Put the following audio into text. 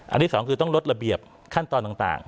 ที่สองคือต้องลดระเบียบขั้นตอนต่าง